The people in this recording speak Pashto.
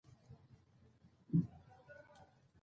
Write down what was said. د پوهنې رياست چارواکو په کې ګډون کړی و.